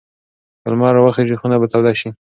که لمر راوخېژي خونه به توده شي.